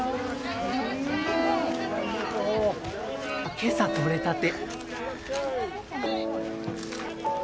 今朝取れたて。